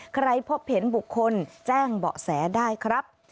พบเห็นบุคคลแจ้งเบาะแสได้ครับ